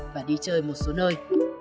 và đi chơi một số nơi